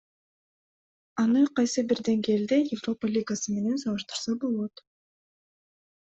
Аны кайсы бир деңгээлде Европа Лигасы менен салыштырса болот.